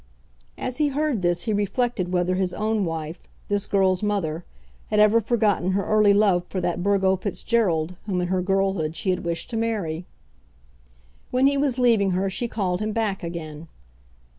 As he heard this he reflected whether his own wife, this girl's mother, had ever forgotten her early love for that Burgo Fitzgerald whom in her girlhood she had wished to marry. When he was leaving her she called him back again.